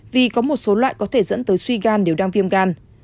vì có một số loại có thể dẫn tới suy gan đều đang viêm gan